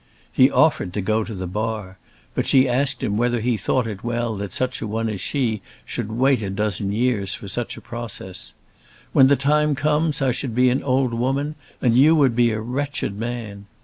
He offered to go to the bar; but she asked him whether he thought it well that such a one as she should wait say a dozen years for such a process. "When the time comes, I should be an old woman and you would be a wretched man."